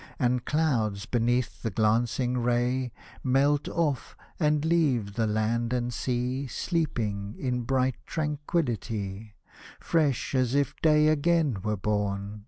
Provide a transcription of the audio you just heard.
And clouds, beneath the glancing ray, Melt off, and leave the land and sea Sleeping in bright tranquillity, — Fresh as if Day again were born.